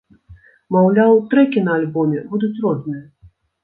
Маўляў, трэкі на альбоме будуць розныя.